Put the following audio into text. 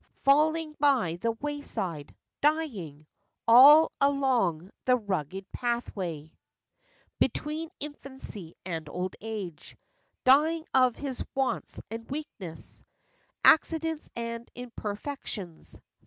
Falling by the wayside, dying All along the rugged pathway FACTS AND FANCIES. 6 7 Between infancy and old age, Dying of his wants and weakness, Accidents and imperfections.